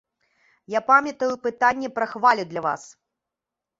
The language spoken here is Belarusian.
Я памятаю пытанне пра хвалю для вас.